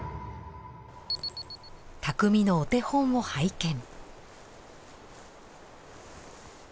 匠のお手本を拝見。